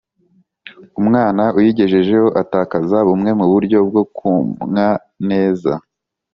Umwana uyigejejeho atakaza bumwe mu buryo bwo kumwa neza